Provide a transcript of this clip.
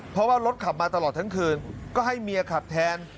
เพราะว่ารถขับมาตลอดทั้งคืนก็ให้เมียขับแทน